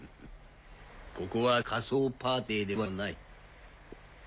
ここは仮装パーティーではない。